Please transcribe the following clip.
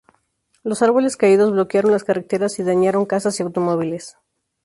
Los árboles caídos bloquearon las carreteras y dañaron casas y automóviles.